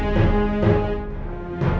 lalu lo kembali ke rumah